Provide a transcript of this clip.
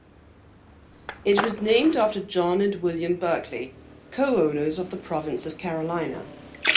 It was named after John and William Berkeley, co-owners of the Province of Carolina.